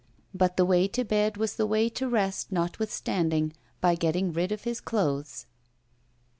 But the way to bed was the way to rest notwithstanding, by getting rid of his clothes.